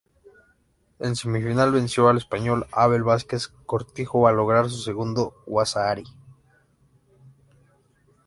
En semifinal venció al español Abel Vázquez Cortijo al lograr su segundo "waza-ari".